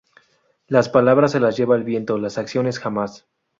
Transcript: Las palabras se las lleva el viento; las acciones, jamás.